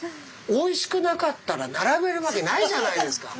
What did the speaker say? おいしくなかったら並べるわけないじゃないですか。